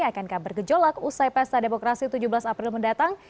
akankah bergejolak usai pesta demokrasi tujuh belas april mendatang